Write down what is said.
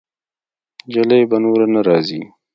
جلۍ به نوره نه راځي.